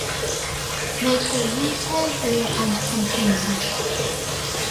Make a U-turn here and continue.